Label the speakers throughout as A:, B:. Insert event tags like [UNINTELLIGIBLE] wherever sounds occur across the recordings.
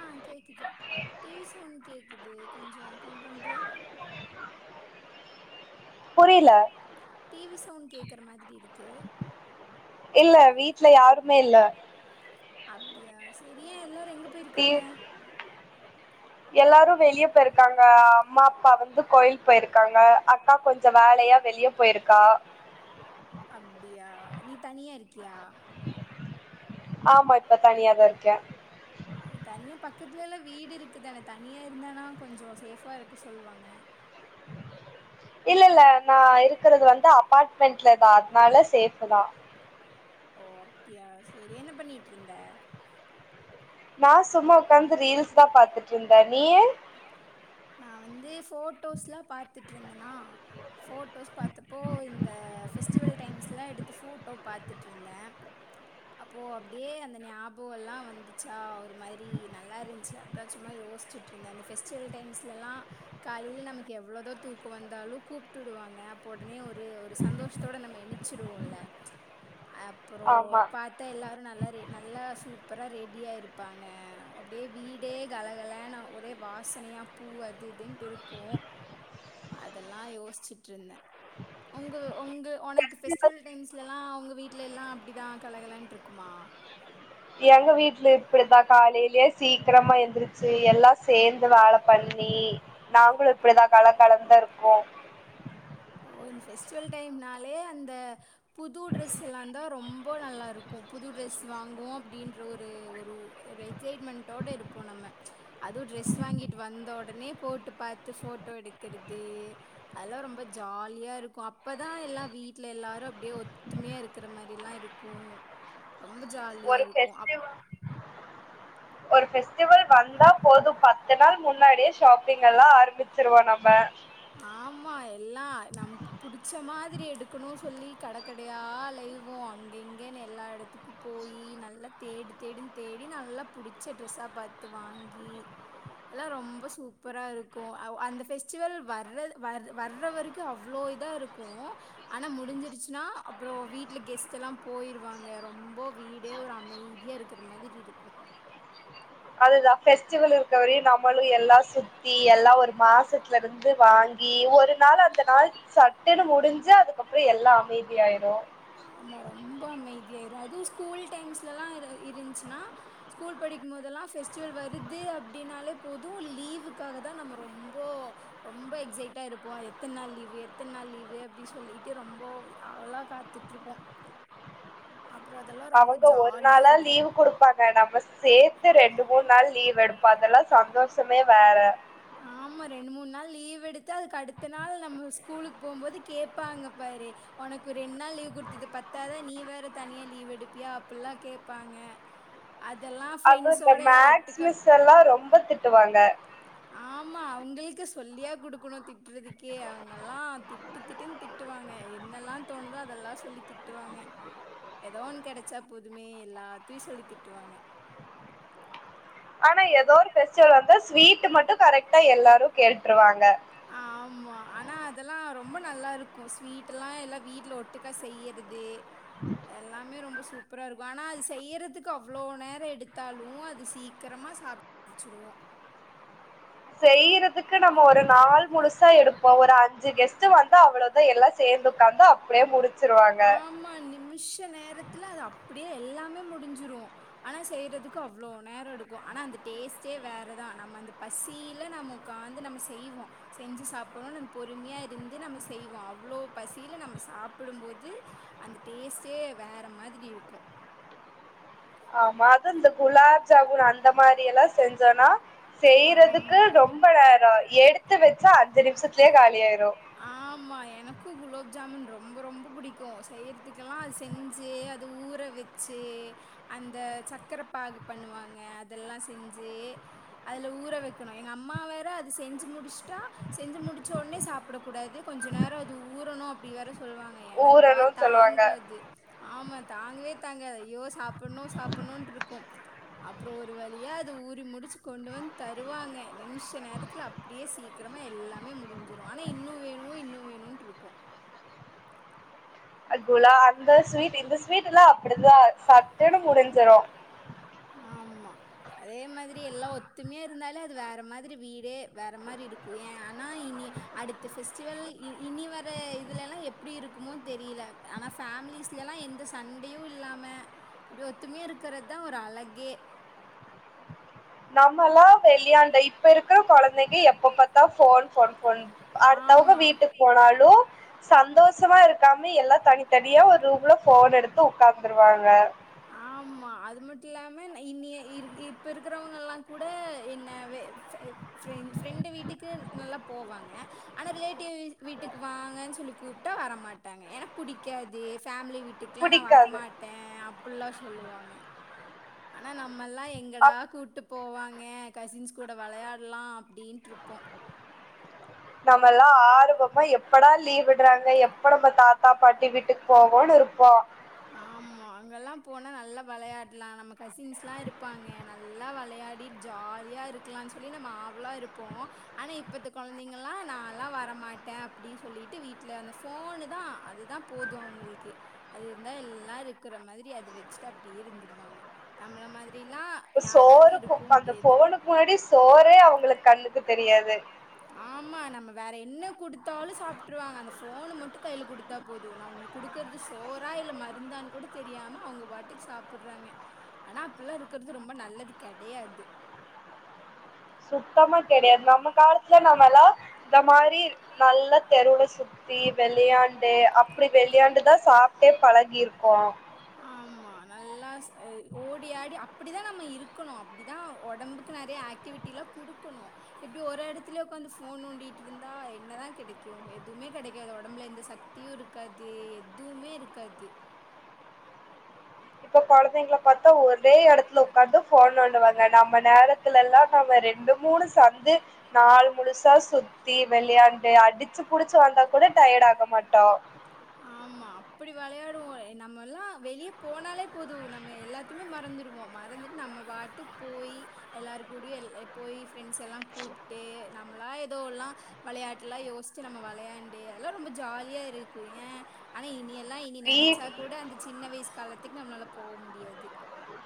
A: ஆஹ் கேக்குது TV sound கேக்கு து கொஞ்சம் கம்மி பண்றியா
B: புரியல இல்ல வீட்டுல யாருமே இல்ல
A: அப்டியா செரி ஏன் எல்லாரும் எங்க அ போயிருக்காங்க
B: எல்லாரும் வெளியே போயிருக்காங்க அம்மா அப்பா வந்து கோயில் போயிருக்காங்க அக்கா கொஞ்சம் வேலையா வெளிய போயிருக்கா
A: நீ தனியா இரு கியா
B: ஆமா இப்ப தனியாதா இருக்கே
A: பக்கத்துல வீடு இருக்குதானே தனியா இருந்தானா கொஞ்சு சேஃபா இருக்க சொல்வாங்க
B: இல்ல இல்ல நா இருக்கிறது வந்து அபார்ட்மெண்ட்ல தா அதனால சேஃப தா
A: ஓ அப்டியா செரி என்ன பண்ணிட்டுருந்த
B: நா சும்மா கந்து ரீல்ஸீ தா பாத்துட்ருந்த நீயு
A: ருந்தனா போட்டோஸ் பாத்தப்போ இந்த ஃபெஸ்டிவல் டைம்ஸ்லா எடுத்த ஃபோட்டோ பாத்துட்டு இருந்தே அப்போ அப்டியே அந்த ஞாப அப்போ எல்லா வந்துச்சா ஒரு மாதிரி நல்லா இருந்துச்சு அதா சும்மா யோசிச்சுட்டு இருந்தே அந்த ஃபெஸ்டிவல் டைம்ஸ்ல எல்லா காலையில நமக்கு எவ்வளோதோ தூக்கம் வந்தாலுகூப்பிட்டு விடுவாங்க அப்போ ஒடனே ஒரு ஒரு சந்தோஷத்தோட நம்ம எணிச்சிருவோல அப்புறோ பாத்தா எல்லாரு நல்லா ர நல்லா சூப்பரா ரேட் டியா இருப்பாங்க அப்படியே வீடே கலகல நா ஒரே வாசனையா பூ அது இதுன்ட்டு இருக் கு அதெல்லா யோசிச்சுட்டு இருந்தே உங்க உங்க உனக்கு ஃபெஸ்டிவல் டைம்ஸ் இதெல்லா உங்க வீட்டு்ல எல்லா அப்டிதா கலகலான்ட்டு இருக்குமா
B: எங்க வீட்டில் இப்பிடித்தா காலிலேயே சீக்கிரமா எந்திரிச்சு எல்லா சேந்து வேல பண்ணி நாங்களு இப்படிதா கல கலன்ந்தா இருப்போ
A: ஓ இந்த ஃபெஸ்டிவல் டைம்னாலே அந்த புது ட்ரெஸ் எல்லாம்ந்தா ரொம்போ நல்லாயிருக்கு புது ட்ரெஸ் வாங்குவோ அப்படின்ற ஒரு ஒரு எக்சைட்மென்ட்டோட இருப்போ நம்ம அதுவு டிரஸ் வாங்கிட்டு வந்துடனே போட்டு பாத்து ஃபோட்டோ எடுக்றது அதலா ரொம்ப ஜாலியா இருக்கு அப்பதா எல்லா வீட்டுல எல்லாரு அப்படியே ஒத்துமையா இருக்கிற மாரிலா இருக்கு
B: ஒரு [UNINTELLIGIBLE] ஒரு பெஸ்டிவல் வந்தா போது பத்து நாள் முன்னாடியே ஷாப்பிங் எல்லா ஆரம்பிச்சிருவோ நம்ம
A: ஆமா எல்லா நமக்கு புடிச்ச மாரி எடுக்கணு சொல்லி கடைக்கடையா அலைவோ அங்கேங்கேன்னு எல்லா இடத்து போயி நல்லா தேடு தேடுந் தேடி நல்லா படிச்ச டிரெஸ்ஸா பாத்து வாங்கி எல்லா ரொம்ப சூப்பரா இருக்கு அந்த ஃபேஸ்டிவல் வ வர் வ வர்ற வரைக்கு அவ்வளோ இதா இருக்கு ஆனா முடிஞ்சிருச்சுன்னா அப்புறோ வீட்டுல கெஸ்ட் எல்லா போயிருவாங்க ரொம்ப வீடே ஒரு அமைதியா இருக்கிற மாரி இருக்கு
B: அதுதா பெஸ்டிவல் இருக்க வரையு நம்மளும் எல்லா சுத்தி எல்லா ஒரு மாசத்துல இருந்து வாங்கி ஒரு நாள் அந்த நாள் சட்டுன்னு முடிஞ்சு அதுக்கப்புறோ எல்லா அமைதியாயிறு
A: ஆமா ரொம்ப அமைதியாறு அதுவு ஸ்கூல் டைம்ஸ்லலா இருந்துச்சுனா ஸ்கூல் படிக்கு போதெல்லா ஃபெஸ்ட்டிவல் வருது அப்படின்னாலே போது லீவுக்காக தா நம்ம ரொம்ப ரொம்ப எக்ஸைட்டா இருப்போ எத்தன நாள் லீவு எத்தன நாள் லீவு அப்படி சொல்லிட்டு ரொம்ப அவளா காத்துட்டு ருப்போ
B: அவங்க ஒரு நாளா லீவ் குடுப்பாங்க நம்ம சேர்த்து ரெண்டு மூணு நாள் லீவ் எடுப்போ அதெல்லா சந்தோஷமே வேற
A: ஆமா ரெண்டு மூணு நாள் லீவ் எடுத்து அதுக்கு அடுத்த நாள் நம்ம ஸ்கூலுக்கு போகும்போது கேடப்பாங்க பாரு உனக்கு ரெண்டு நாள் லீவ் குடுத்தது பத்தாதா நீ வேற தனியா லீவ் எடுப்பியா அப்படில்லா கேபாங்க
B: அதுவு இந்த மேக்ஸ் மிஸ் எல்லா ரொம்ப திட்டுவாங்க
A: ஆமா அவங்களுக்கு சொல்லியா குடுக்கணு திட்டுறதுக்கே அவங்க எல்லா திட்டு திட்டுன்னு திட்டுவாங்க என்னெல்லாம் தோணுதோ அதெல்லாம் சொல்லி திட்டுவாங்க ஏதோ ஒன்னு கிடைச்சா போதுமே எல்லாத்தையும் சொல்லி திட்டுவாங்க
B: ஆனா எதா ஒரு பெஸ்டிவல் வந்தா ஸ்வீட்டு மட்டு கரெக்ட்டா எல்லாரு கேட்ருவாங்க
A: ஆமா ஆனா அதெல்லா ரொம்ப நல்லா இருக்கு ஸ்வீட்டுலா எல்லா வீட்ல ஒட்டுக்கா செய்யறது எல்லாமே ரொம் அஹ் சூப்பரா இருக்கு ஆனா அது செய்யறத்துக்கு அவ்ளோ நேர எடுத்தாலு அது சீக்கரமா சாப்ட்டு முட்ச்சுருவோ
B: செய்யறதுக்கு நம்ம ஒரு நாள் முழுசா எடுப்போ ஒரு அஞ்சு கெஸ்ட்டு வந்து அவளதா எல்லா சேந்து உக்காந்து அப்டியே முடி
A: ஆமா நிமிஷ நேரத் துல அது அப்டியே எல்லாமே முடிஞ்சிரு ஆனா செய்றதுக்கு அவ்ளோ நேர எடுக்கு ஆனா அந்த டேஸ்ட்டே வேற தா நம்ம அந்த பசியில நாம உக்காந்து நம்ம செய்வோ செஞ்சு சாப்ட்ணுனு அஹ் பொறுமையா இருந்து நம்ம செய்வோ அவ்ளோ பசியில நம்ம சாப்பிடும்போது இது அந்த டேஸ்ட்டே வேற மாதிரி இருக்கு
B: ஆமா அதா இந்த குலாப் ஜாமுன் அந்த மாரியெல்லா செஞ்சோனா செய்றதுக்கு ரொம்ப நேர எடுத்து வச்சா அஞ்சு நிம்ஷத் துலே காலியாய்ரு
A: ஆமா எனக்கு குலோப் ஜாமுன் ரொம்ப ரொம்ப புடிக்கு செய்யற்துக்கெல்லா அது செஞ்சு அது ஊற வெச்சு அந்த சக்கர பாகு பண்ணுவாங்க அதெல்லா செஞ்சு அதுல ஊற வெக்கணு எங்கம் மா வேற அது செஞ்சு முடிச்ட்டா செஞ்சு முடிச்ச ஓட்னே சாப் கூடாது கொஞ்ச நேர அது ஊறனு அப் டி வர சொ சொல்வாங்க எனக்கா தாங்காது ஆமா தாங்கவே தாங்காது ஐயோ சாப்பிட்ணு சாப்பிட்ணுன் இருக்கு அப்றோ ஒரு வழியா அது ஊறி முடிச்சு கொண்டு வந்து தருவாங்க நிம்ஷ நேரத்துல அப்டியே சீக் கிரமா எல்லாமே முடிஞ்சிரு ஆனா இன்னு வேணு இன்னு வேணுன்ட்ருக்கு
B: அதுலா அந்த ஸ்வீட் இந்த ஸ்வீட்டுலா அப்டிதா சட்டுனு முடிஞ்சிரு
A: ஆமா அதே மாதிரி எல்லா ஒத்துமையா இருந்தாலே அது வேற மாதிரி வீட் டே வேற மாரி இருக்கு ஏ ஆனா இனி அடுத்த பெஸ்டிவல் இ இனி வர்ற இதுலலா எப்டி இருக் குமோ தெரியல ஆனா ஃபேம்லிஸ்லலா எந்த சண்டயு இல்லாம இப்டி ஒத்துமையா இருக்கிறது தா ஒரு அழக் கே
B: நம்மலா வெளியாண்டோ இப்ப இருக்குற கொழந்தைங்க எப்ப பாத்தா ஃபோன் ஃபோன் ஃபோன் அடுத்தவ்ங்க வீட்டுக் போனாலு சந்தோசமா இருக்காம எல்லா தனித்தனியா ஒரு ரூம்ல ஃபோன் எடுத்து உக்காந்துருவாங்க.
A: ஆமா அது மட்டுல்லாமா நை இன்னய இரு இப்பருக்றவ்ங்கலாங் கூட என்ன வே ஃபெ ஃப்ரெண் ஃப்ரெண்டு வீட்டுக்கு நல்லா போவாங்க ஆனா ரிலேட்டிவ் வீட் வீட்டுக்கு வாங்கன் சொல்லி கூப்ட்டா வரமாட்டாங்க ஏனா புடிக்காது ஃபேம்லி வீட்டுக்லா நா வரமாட்டே அப் புட்லா சொல்லுவாங்க ஆனா நம் மல்லா எங்கடா கூப்ட்டு போவாங்க கசின்ஸ் கூட வெளயாட்லா அப்டின்ட்ருக்கு
B: நம்மலா ஆர்வமா எப்படா லீவ் விட்றாங்க எப்ப நம்ம தாத்தா பாட்டி வீட்டுக்கு போவோன்னு இருப்போ
A: ஆமா அங்கெல்லா போனா நல்லா வெளயாட்லா நம்ம கசிங்ஸ்லா இருப்பாங்க நல்லா வெள யாடி ஜாலியா இருக்லானு சொல்லி நம்ம ஆவலா இருப்போ ஆனா இப்பத்த குழந்தேங்கலா நான்ல்லா வர மாட்ட அப்டி சொல்லிட்டு வீட்ல அந்த ஃபோனு தா அதுதா போது அவங்ளுக்கு அது தா எல்லா இருக்கிற மாதிரி அத வெச்சுட்டு அப்டியே இருந்துடுவாங்க. நம்ள மாரி
B: சோருகு அந்த ஃபோனுக்கு முன்னாடி சோரே அவங்ளுக்கு கண்ணுக்கு தெரியாது.
A: ஆமா நம்ம வேற என்ன குடுத்தாலு சாப்ட்ருவாங்க அந்த ஃபோனு மட்டு கைய்ல குடுத்தா போது அவங்க குடுக்குறது சோறா இல்ல மருந்தான்னு கூட தெரியாம அவுங்க பாட்டுக்கு சாப்பிட்றாங்க ஆனா அப்ல்லா இருக்கிறது ரொம்ப நல்லது கெடையாது.
B: சுத்தமா கெடையாது நம்ம காலத்துல நம்மல்லா இந்த மாரி நல்ல தெருல சுத்தி வெளியாண்டு அப்டி வெளியாண்டுதா சாப் டே பழகீர்க்கோ
A: நல்லாஸ் அ ஓடி ஆடி அப் அப்பிடிதா நம்ம இருக்கணு அப்டிதா ஒடம்புக்கு நெறைய ஆக்டிவிட்டிலா குடுக்கணு இப்டி ஒரு இடத்துல உட்காந்து ஃபோன் நோண்டிட்டு இருந்தா என்னதா கெடைக்கு எதுமே கெடைக்காது உடம்பு எந்த சக்தியு இருக்காது எதுவுமே இரு காது
B: இப்ப குழந்தேங்கள பாத்தா ஒரே எடத்துல உட்காந்து ஃபோன் நோண்டு வாங் நம்ம நேரத்துல எல்லா நம்ம ரெண்டு மூணு சந்து நாள் முழுசா சுத்தி விளியாண்டு அடிச்சு புடிச்சு வந்தா கூட டயர்ட் ஆக மாட்டோ
A: ஆமா அப்பிடி வெளையாடுவோ நம்ம எல்லா வெளிய போனாலே போது நம்ம எல்லாத்தீமே மறந்துருவோ மறந்துட்டு நம்ம வாட்டுக் போய் எல்லாரு கூடயு எ போய் ஃப்ரெண்ட்ஸ் எல்லா கூப்ட்டு நம் லா எதோல்லா வெளையாட்லா யோசிச்சு நம்ம வெளயாண்டு அதெல்லா ரொம்ப ஜாலியா இரு க்கு ஏ ஆனா இனிய லா இனி நெனச்சா கூட அந்த சின்ன வய்ச் காலத்துக்கு நம்ளால போ முடியாது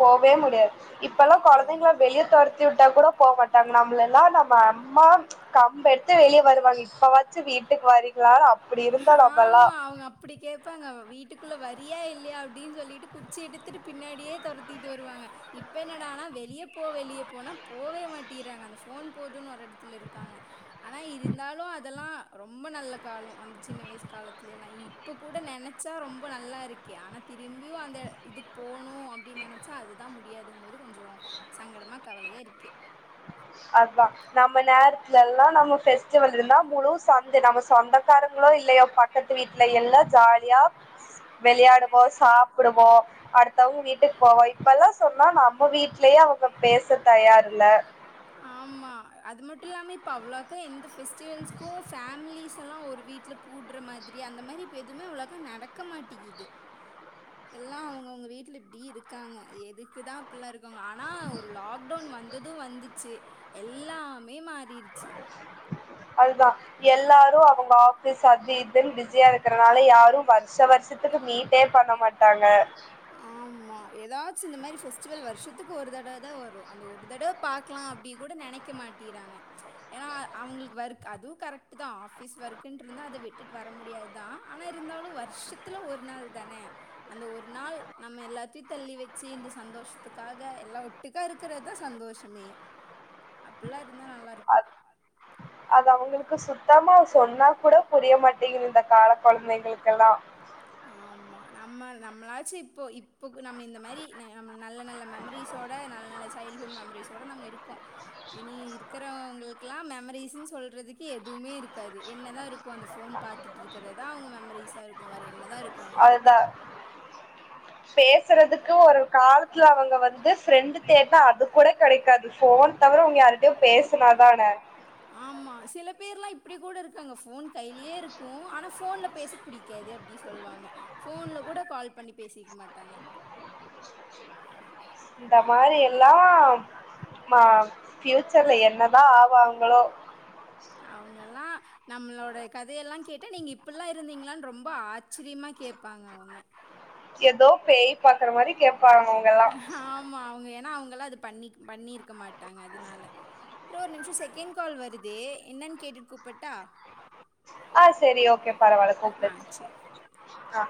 B: போவே முடியாது இப்பல்லா கொழந்தேங்க வெளிய தொரத்தி வுட்டா கூட போமாட் டாங்க நம்ளல்லா நம்ம அம்மா ச்சு கம்ப எட்த்து வெளிய வருவாங்க இப்ப வாச்சு வீட்டுக்கு வரீங்ளானு அப்
A: ஆமா அவுங்க அப்டி கேப் ப்பாங்க வீட்டுக்குள்ள வரியா இல்லயா அப்டீன் சொல்லிட்டு குச்சி எடுத்துட்டு பின்னாடியே தொரத்தீட்டு வருவாங்க. இப்ப என்னடானா வெளிய போ வெளிய போனா போவே மாட்டீறாங்க அந்த ஃபோன் போதுன்னு ஒரு இட த்துல இருக்காங்க ஆனா இருந்தாலு அதெல்லா ரொம்ப நல்ல காலோ அந் சின்ன வயசு காலத்திலைலா இப்ப கூட நெ நெனச்சா ரொம்ப நல்லா இருக்கு ஆனா தி திம்பியு அந்த இதுக்கு போணு அப்டின்னு நென அதுதான் முடியாதுங்க போது கொஞ்சோ சங்கடமா கவலையா இருக்கு
B: அதா நம்ம நேரத்துல எல்லா நம்ம ஃபெஸ்டிவல் இருந்தா முழு சந்த நம்மச் சொந்தக்காரங்களோ இல்லையோ பக்கத்து வீட்டுல எல்லா ஜாலியா விளையாடுவோ சாப்பிடுவோ அடுத்தவங்க வீட்டுக்கு போவோ இப்பல்லா சொன்னா நம்ம வீட்லயே அவங்க பேச தயாரில்ல
A: ஆமா அது மட்டு இல்லாமே இப்ப அவ்ளோக்க எந்த ஃபெஸ்டிவல்ஸ்கு ஃபேமிலிஸ் ச்சல்லா ஒரு வீட்ல கூடுற மாதிரி அந்த மாரி இப்ப எதுவுமே அவ்ளக்கா நடக்க மாட்டிங்குது எல்லா அவங்க அவங்க வீட்ல இப்டி இருக்காங்க எதுக்குதா இப்புல்லா இருக்கோங்க ஆனா ஒரு லாக்டவுன் வந்தது வந்து து எல்லா
B: அதா எல்லாரு அவுங்க ஆஃபீஸ் அது இதுன்னு பிஸியா இருக்கறனால யாரு வருஷ வருஷத்துக்கு மீட்டே பண்ண மாட்டாங்க
A: ஆமா ஏதாச்சு இந்த மாரி ஃபெஸ்டிவல் வருஷத்துக்கு ஒரு தடவ தா வரு அந்த ஒரு தடவ பாக்கலா அப்டி கூட நனைக்க மாட்டிறாங்க ஏன்னா அவுங்களுக்கு வரு அதுவு கரெக் தா ஆஃபிஸ் ஓர்கிட்டிருந்தா அத விட்டுட்டு வர முடியாதுதா ஆனா இருந்தாலு வருஷத்துல ஒரு நாள் தானே அந்த ஒரு நாள் நம்ம எல்லாத்தையு தள்ளி வெச்சு இந்த சந்தோஷத்துக்காக எல்லா ஒட்டுக்கா இருக்கறது தா சந்தோஷமே அப்பிள்ளா
B: அது அவுங்ளுக்கு சுத்தமா சொன்னா கூட புரிய மாட்டீங்குது இந்த கால கொழந்தைங்க [UNINTELLIGIBLE]
A: ஆமா நம்ம நம்மளாச்சு இப்போ இப்பொ போ நம்ம இந்த மாரி நம் நல்ல நல்ல மெமரிஸோட நல்ல நல்ல சைல்ட்ஹூட் மெமரிஸோடு நம்ம இருக்கொ இனி இரு இருக்கிறவங்களுக்கெல்லா மெமரீஸ்ன்னு சொல்றதுக்கு எதுவுமே இருக்காது என்ன தா இருக்கு அந்த ஃபோன் பாத்துட்டு இருக்கிறதா அவங்க மெமரிஸ்ஸா என்னதா இருக்கு அவங்ககிட்ட
B: பேசுறதுக்கு ஒரு கால் த்துல அவுங்க வந்து ஃப்ரெண்டு தேடுனா அது கூட கெடைக்காது ஃபோன் தவிர அவங்க யாரிட்டையோ பேசுனாதான
A: ஆமா சில பேர் லா இப்டி கூட இருக்காங்க போன் கையிலியே இருக்கு ஆனா ஃபோன்ல பேச புடிக்காது இப்படி சொல்லுவாங்க ஃபோன்ல கூட கால் பண்ணி பேசிக்க மாட்டாங்க
B: இந்த மாரி எல்லா மா ஃபியூச்சர்ல என்னதா ஆவாங்களோ
A: அவங்கள்லா நம்மளோட கதையெல்லா கேட்டா நீங்க இப்பில்ல இருந்தீங்களான்னு ரொம்ப ஆ ஆச்சிரிமா கேப்பாங்க அவங்க
B: பேய் பாக்குற மாரி கேட்பாங்க அவங்கல்லா
A: ஆனா அவங்ள அது பண்ணி பண்ணிருக்க மாட் ட்டாங்க அதனால ப்ரோ ஒரு நிமிஷோ செக் செகண்ட் கால் வருது என்னன்னு கேட்டுட்டு கூப்பட்டா
B: ஆ சேரி ஓகே பரவாயல கூப்டு ஆ